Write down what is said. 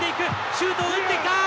シュートを打ってきた！